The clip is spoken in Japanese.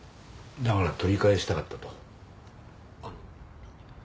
だから取り返したかったと。